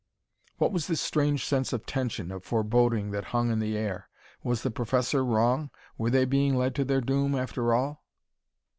What was this strange sense of tension, of foreboding, that hung in the air? Was the professor wrong? Were they being led to their doom, after all?